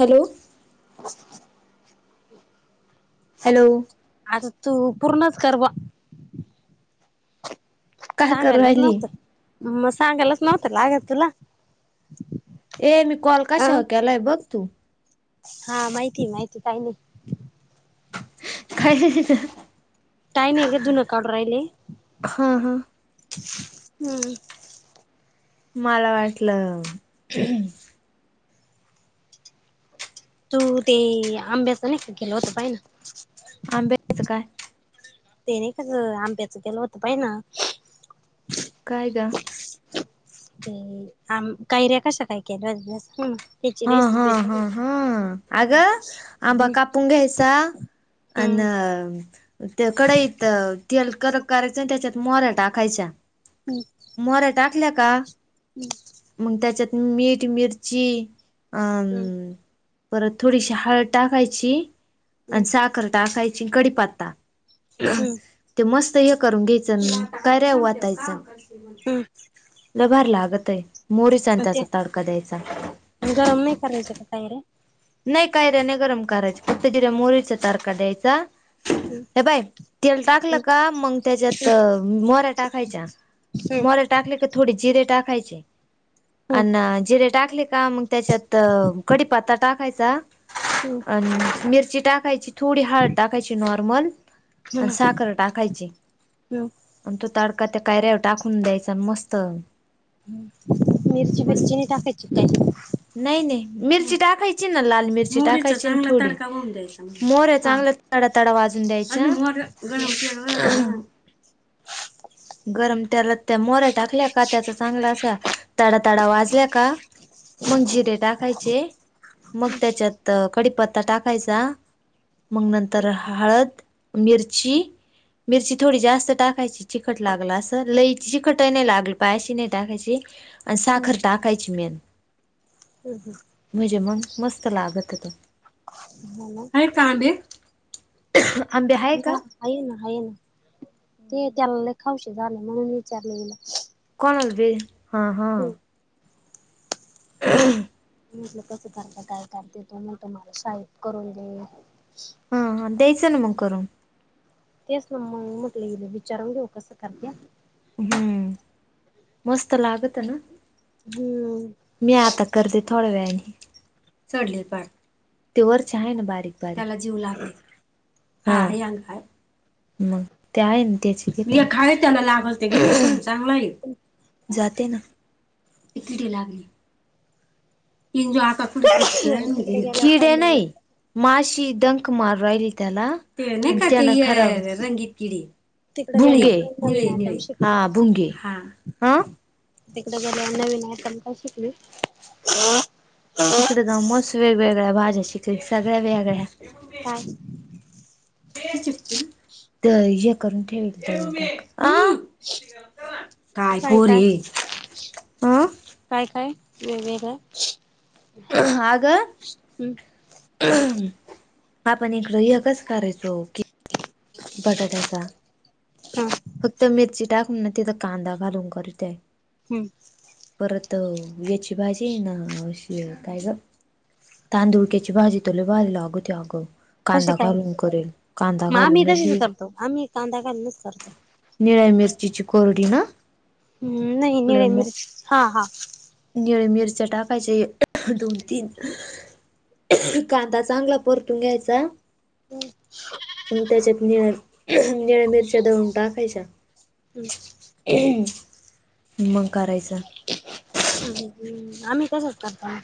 Hello! [inaudible] Hello. आ तू पूर्णात कर्वा. काय करू सांगायलाच राहिली नव्हतं मग सांगायलाच नव्हतं लागल तुला. ए मी कॉल अ कशा वर केलाय बघ तू. हा माहिती माहिती काही नाही. काय काय नाही ग धुणं काढू राहिले. हा हा हम्म. मला वाटलं तू ते आंब्याच नाही केलं होत पाहि ना? आंब्यायचं काय. ते नाही का ग आंब्याचं गेलं होत पाहि ना. काय गा. ते आम कैऱ्या कशा काय केल्याल्या स् हा हा हा हा हम्म अगं आंबा कापून घ्यायचा. आन हम्म ते कडईत तेल करक करायच आणि त्याच्यात मोऱ्या टाकायच्या. हम्म मोऱ्या टाकल्या का? मग त्याच्यात मीठ, मिरची- अ हम्म परत थोडीशी हळद टाकायची हम्म आणि साख खर टाकायची कडीपात्ता हम्म ते मस् हे करून घ्यायचं कैऱ्या ओताईच. हम्म! लयभारी लागतय मोरीचा आणि ते त्याचा तडका द्यायचा. गरम नाही करायचे का तायडे. नाही कायऱ्याने गरम करायची फक्त जिऱ्या मोरीचा तारखा द्यायचा. हम्म हे पाय तेल टाकलं हम्म का मग त्याच्यात मोऱ्या टाकायच्या. हम्म. मोहऱ्या टाकले तर थोडी जिरे टाकायचे हम्म अण जिरे टाकले का मग त्याच्यात कडीपता अ टाकायचा. हम्म. मिरची टाकयची थोडी हळद टाकायची नॉर्मल. हम्म आणि साखर टाकायची. हम्म आणि तो ताडका त्या कायऱ्यावर टाकून द्यायचा आणि मस्त. मिरची मस्त मिरची नाही टाकायची काय. नाही नाही मिरची टाकायची ना लाल मिरची टाकायची. मोर्या हा चांगल्या तड तडा वाजून द्यायच्या. गरम तेलात त्या मोऱ्या टाकल्या का त्याचा चांगला असा तडाताडा वाजल्या का? मग जिरे टाकायचे. मग त्याच्यात कडीपत्ता टाकायचा. मग नंतर हळद मिरची मिरची थोडी जास्त टाकायची चिक तिखट लागला असं लई तिखट ही नाही लागली पायाशी नाही टाकायची. आणि साखर टाकायची मेन. हंम्म हमं म्हणजे मग मस्त लागत ते. हा ना. आंबे हाय का? हा आहे ना ह ना ते त्याला ल खाऊशी झाले म्हणून विचारले गेला. कोण असल हा हा. [inaudible] [unintelligible] शाळेत करून दे. हा द्यायच ना मग करून. तेच ना मग म्हटलं हिला विचारून घेऊ कसं करते्या. हम्म मस्त लागत ना? हम्म. मी आता करते थोड्या वेळाने चडले पण ते वरच आहे ना बारीक. त्याला जीव लागले [unintelligible] मग ते आहे त्याची खा त्याला लागते. चांगला आहे जाते ना लागली तिकडे गेल्यावर काय कीडे नवीन नाही. माशी डंक मार राहिली त्याला अ तिकडे भुंगे गेल्यावर काय निळे निळे हा भुंगे. हा तिकड गेले नवीन आहे पण का शिकली? तिकडे दमस वेगवेगळ्या भाज्या शिकले सगळ्या वेगळ्या. काय तर हे करून ठेवते हा. काय काय? अं काय? काय [unintelligible] आहे आगं हम्म [inaudible] आपण इकडं एकच करायचो की बटाट्याचा हा फक्त मिरची टाकून ना तिथ कांदा घालून करीतय. हम्म. परत याची भाजी आहे ना अशी काय ग? तांदुळक्याची भाजी तर भारी लागते अग कसे कांदा काय घालून करेल कांदा मग आम्ही घालून. करतो आम्ही कांदा घालूनच करतो. निळ्या मिरचीची कोरडी ना हम् नाही निळ्या मिरच्या हा हा. निळे मिरच्या टाकायचे दोन, तीन कांदा चांगला परतून घ्यायचा. [unintelligible] आणि त्याच्यात निळ निळ मिरच्या दळून टाकायच्या. [inaudible] मंग करायचं आम्ही तसच करतो.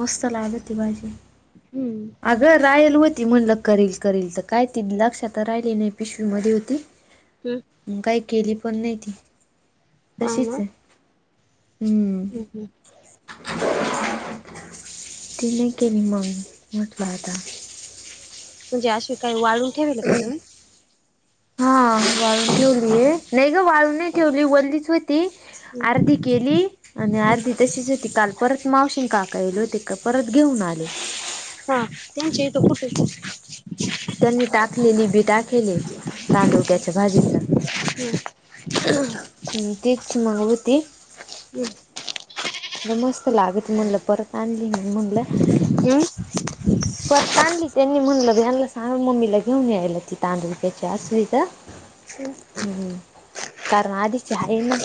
मस्त लागते भाजी. हम्म. अगं रायल होती म्हणलं करील करेल तर काय त लक्षात राहिली नाही पिशवी मध्ये होती. [inaudible] हम्. हं काही केली पण नाही ती. हा तशीच ना आहे हम्म. [unintelligible] तिने केली मग म्हटलं आता. म्हणजे आशी काय वाळू [unintelligible] हा वाळवून ठेवलीये. नाही ग वाळवून नाही ठेवली, वल्लिच हो ती अर्धी केली. आणि आर्धी तशीच होती काल परत मावशीनं काका आयले होते का परत घेऊन आले. हां त्यांच्या इथं कुठं? त्यांनी टाकलेली बी टाकीले तांदूळक्याच्या भाजीच. हं तीच म्हणत होती. मग मस्त लागती म्हणलं, परत आणली मग म्हणलं. हम्म. परत आणली त्यांनी म्हणलं ह्यांना सांग मम्मीला घेऊन यायला तिथं [unintelligible] हुं हुं कारण आधीची हायना.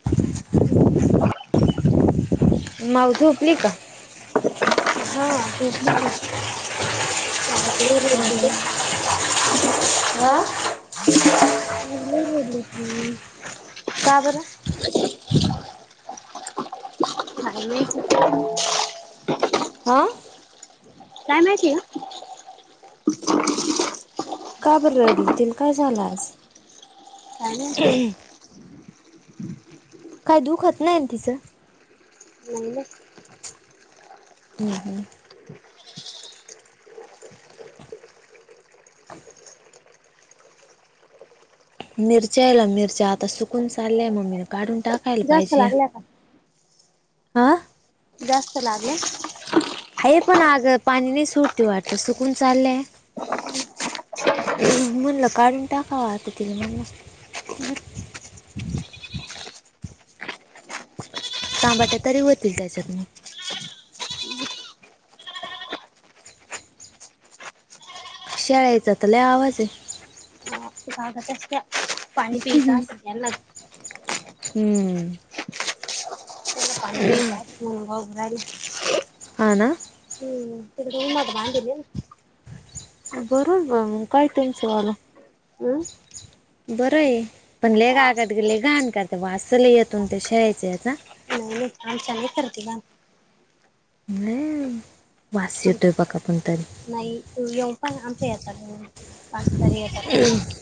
[inaudible] माऊ झोपली का? हा. झोपली [unintelligible] पोहत [unintelligible] आ? मी नाय बोलली ती. हम्म. का बर? काही नाही. आं. काय नाही की का बर रडली तीला काय झालं आज? काय माहिती काय दुखत नाही ना तिचं? नाही हं हं. [inaudible] मिरच्यायला मिरच्या आता सुकून चालल्या मम्मी काढून टाक जास्त वाढला का? आ? जास्त लागलंय. हे पण अगं पाणी नाही सुटती वाटतं सुकून चाललंय. म्हणलं काढून टाकावं आता तरी म्हणलं. तांबाट्या तरी होतील त्याच्यात मग. शेळ्यायचा तर लय आवाज आहे. ते काय करत असत्या? पाणी पित [unintelligible] हम्म. त्यांना पाणी [unintelligible] राहिली. हा ना? हम्म तिथं दोन मजली बांधीलेना. बरं बरं मग काय त्यांचं आलं. ना. बरं ए पन हा [unintelligible] गे लय घानकरतात वास त लय येतो ना ते शेळ्यांच्या ह्याचा. काम चांगले करचीला. [unintelligible] वास आमच्या येतोय बका पण तरी नाही तू येऊ पण आमच्या येतात म्हणून, पाच तरी येतात.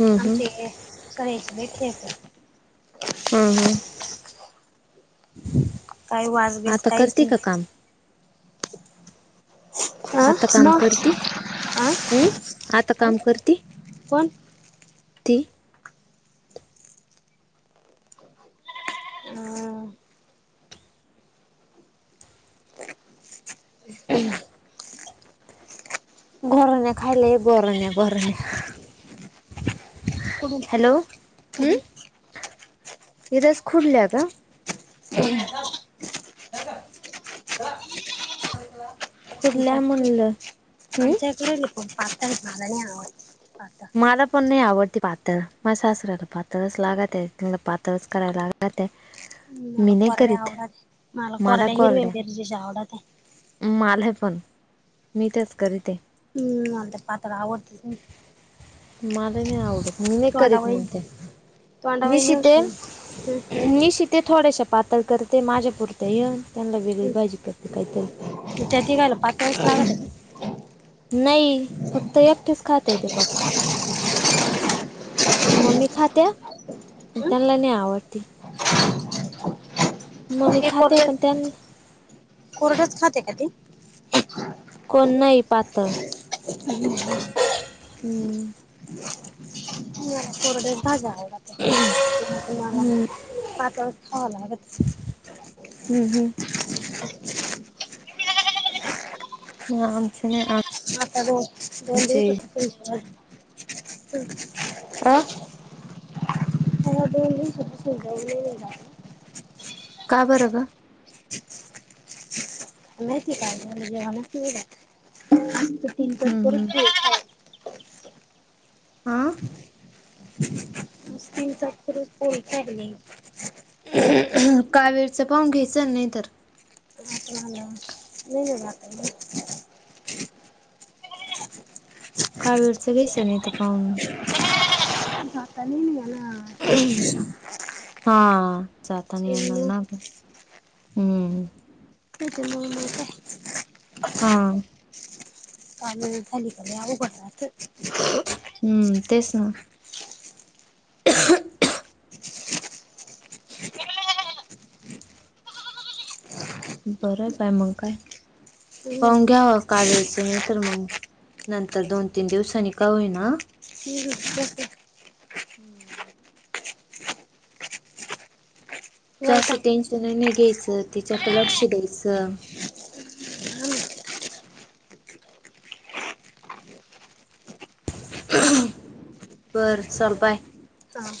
हम्म हम्म आमचे ये शाळेचे नेते आहेत. हा हा काही वाजबीज आता काहीच करते नाही. का काम? आता काम करती हम्म आता काम करती [unintelligible] ती. अ [inaudible] घरूने खाले गोरण्या गोरण्या. कुडून हॅलो हं! कुडून येदस खुडल्या का? [inaudible] खुडल्या म्हनल. आमच्याईकडे पातळ मला नाही आवडत पातळ. मला पन नाई आवडते पातळ माझ्या सासऱ्याला पातळच लागते त्यांनला पातळच करायला लागते. मला कोरड्या आवडते मला कोरड्या हिरवे मिरचेच्या आवडते. माले पण मी तेच करीते. मला ते पात्र आवडतच नाई. मले मी आवडत. नी करीत तोंडावळी मग ती मी तोंडावळी नेऊ शिते हम्म मी शिते. ते थोड्याशा पातळ करते माझ्या पुरत ये त्यांना वेगलि हम्म भाजी करते कायतरी. त्या तिघाला पातळच लागते. नाई फक्त एकटेच खाताये ते पापा मम्मी खात्या पन हम्म त्यांनला नाई आवडती. मममी खाते पण त्यां कोरडचं खाते का ती? कोण नाही पातळ हम्म. [unintelligible] [unintelligible] हम्म हम्. [inaudible] आमचे नाई आ आता दोन दोन दिवस होते [unintelligible] आं! सगळं दोन दिवसातच [unintelligible] का बरं गं! काय माहिती काय झालं जेवनच नाई जात हम्म हम्म [unintelligible] आं. [unintelligible] कावीळचं पाहून घ्यायच नाही तर. [unintelligible] काळवीट च वेसन येतं पाहून. [unintelligible] हा जाता नाही येणार त्याच्यामुळं ना हं हमं. हो ते म म काय? हा. काल. [unintelligible] हम तेच ना. [inaudible] बरं बाय मग काय हम्म पाहून घ्याव काविळचं नाई तर मग. नंतर दोन तीन दिवसांनी का होईना. जास्त वैताग टेन्शन नाही घ्यायचं त्यािच्या क लक्ष द्यायचं. आला. बरं चल बाय. हा